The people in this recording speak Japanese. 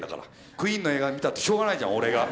クイーンの映画見たってしょうがないじゃん俺が。